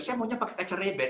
saya maunya pakai kaca reben